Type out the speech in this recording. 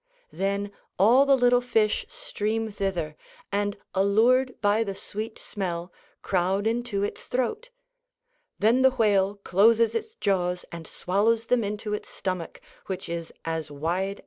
Then all the little fish stream thither, and, allured by the sweet smell, crowd into its throat. Then the whale closes its jaws and swallows them into its stomach, which is as wide as a valley.